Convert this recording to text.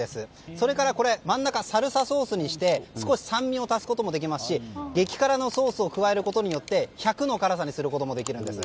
それから、真ん中サルサソースにして少し酸味を足すこともできますし激辛のソースを加えることによって１００の辛さにすることもできるんです。